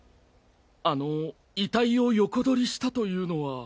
あの遺体を横取りしたというのは。